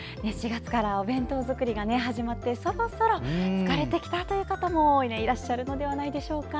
４月からお弁当作りが始まってそろそろ疲れてきたという方もいらっしゃるのではないでしょうか。